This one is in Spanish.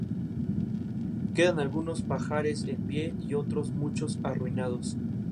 Quedan algunos pajares en pie y otros muchos arruinados.